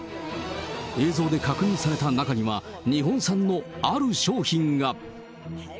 映像で確認された中には、日本産のある商品が。